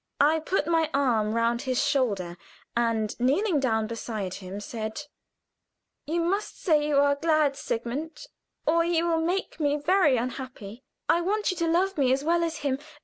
I put my arm round his shoulder, and kneeling down beside him, said: "You must say you are glad, Sigmund, or you will make me very unhappy. I want you to love me as well as him.